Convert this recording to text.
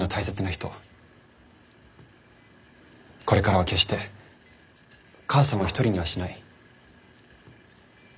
これからは決して母さんを一人にはしない。